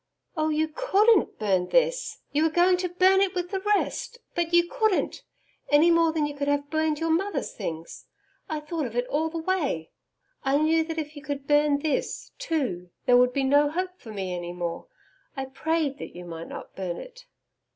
'Oh, you COULDN'T burn this! ... You were going to burn it with the rest but you COULDN'T any more than you could have burned your mother's things.... I thought of it all the way I knew that if you could burn this, too, there would be no hope for me any more. I PRAYED that you might not burn it.'